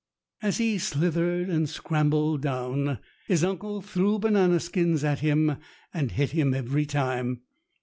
As he slithered and scrambled down his uncle threw banana skins at him and hit him every time.